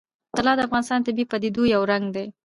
طلا د افغانستان د طبیعي پدیدو یو رنګ دی.